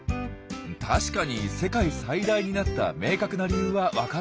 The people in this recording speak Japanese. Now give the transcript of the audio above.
確かに世界最大になった明確な理由は分かっていません。